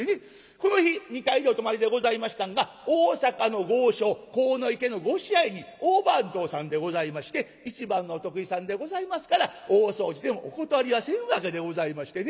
この日２階でお泊まりでございましたんが大坂の豪商鴻池のご支配人大番頭さんでございまして一番のお得意さんでございますから大掃除でもお断りはせんわけでございましてね。